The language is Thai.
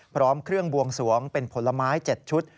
พร้อมเครื่องบวงสวงเป็นผลไม้๗ชุด